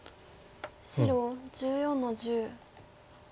白１４の十。